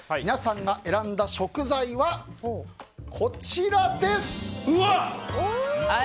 皆さんが選んだ食材はこちらです。